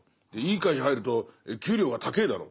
いい会社入ると給料が高ぇだろ。